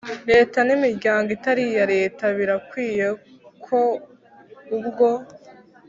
Leta n imiryango itari iya leta birakwiye ku ubwo